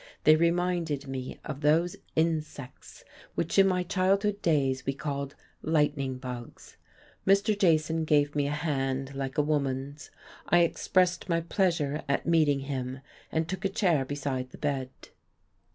They reminded me of those insects which in my childhood days we called "lightning bugs." Mr. Jason gave me a hand like a woman's. I expressed my pleasure at meeting him, and took a chair beside the bed.